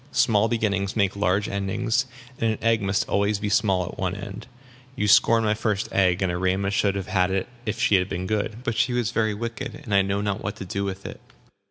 "Small beginnings make large endings; and an egg must be always small at one end. You scorn my first egg, and Erema should have had it if she had been good. But she was very wicked, and I know not what to do with it."